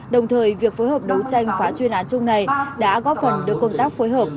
đồng thời việc phối hợp đấu tranh phá chuyên án chung này đã góp phần đưa công tác phối hợp